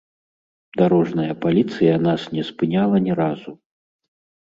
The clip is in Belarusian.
Дарожная паліцыя нас не спыняла ні разу.